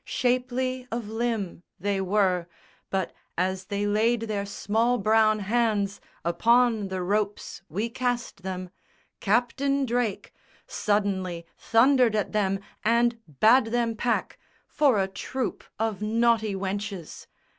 Shapely of limb They were; but as they laid their small brown hands Upon the ropes we cast them, Captain Drake Suddenly thundered at them and bade them pack For a troop of naughty wenches!